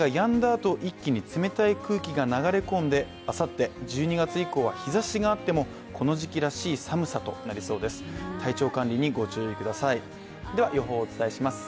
あと一気に冷たい空気が流れ込んで、あさって、１２月以降は日ざしがあってもこの時期らしい寒さとなりそうです。